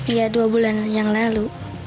iya dua bulan yang lalu